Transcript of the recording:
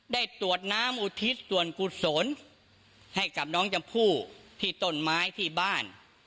ตรวจน้ำอุทิศส่วนกุศลให้กับน้องชมพู่ที่ต้นไม้ที่บ้าน